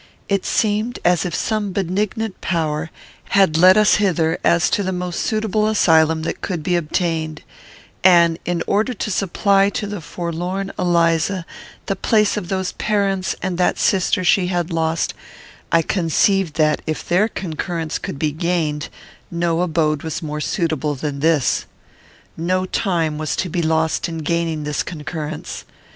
It seemed as if some benignant power had led us hither as to the most suitable asylum that could be obtained; and, in order to supply to the forlorn Eliza the place of those parents and that sister she had lost, I conceived that, if their concurrence could be gained, no abode was more suitable than this. No time was to be lost in gaining this concurrence.